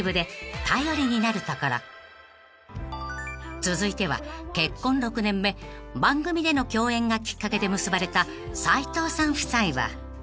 ［続いては結婚６年目番組での共演がきっかけで結ばれた斉藤さん夫妻は？］